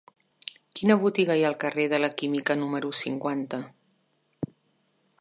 Quina botiga hi ha al carrer de la Química número cinquanta?